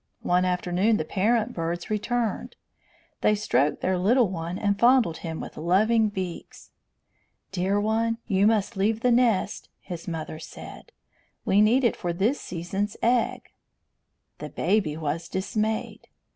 One afternoon the parent birds returned. They stroked their little one and fondled him with loving beaks. "Dear one, you must leave the nest," his mother said. "We need it for this season's egg." The baby was dismayed.